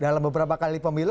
dalam beberapa kali pemilu